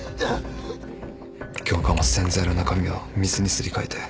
教官は洗剤の中身を水にすり替えて。